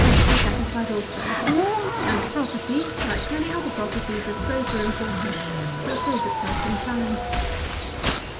fectly satisfied also : and the prophecy, like many other prophecies of greater importance, fulfils itself in time.